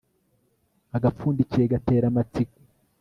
agapfundikiye gatera amatsiko